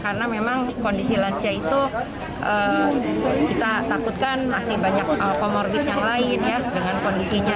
karena memang kondisi lansia itu kita takutkan masih banyak komorbid yang lain dengan kondisinya